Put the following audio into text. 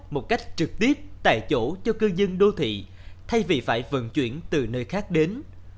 một cách trực tiếp tại chỗ cho cư dân đô thị thay vì phải vận chuyển từ nơi khác đến